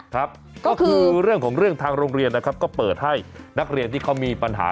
ครับก็คือเรื่องของเรื่องทางโรงเรียนนะครับก็เปิดให้นักเรียนที่เขามีปัญหา